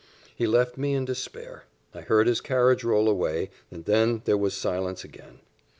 He left me in despair. I heard his carriage roll away and then there was silence again.